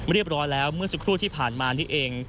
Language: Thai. เรียบร้อยแล้วเมื่อสักครู่ที่ผ่านมานี่เอง